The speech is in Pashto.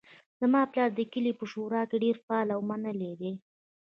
زما پلار د کلي په شورا کې ډیر فعال او منلی ده